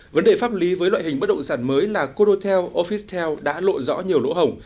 vấn đề pháp lý với loại hình bất động sản mới là cô hotel officetel đã lộ rõ nhiều lỗ hổng